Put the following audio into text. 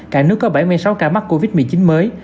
cả nước có bảy mươi sáu ca mắc covid một mươi chín mới